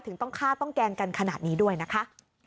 ต้องฆ่าต้องแกล้งกันขนาดนี้ด้วยนะคะ